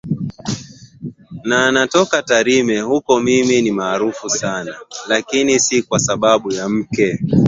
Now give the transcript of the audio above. na anatoka Tarime Huko mimi ni maarufu sana lakini si kwa sababu ya mke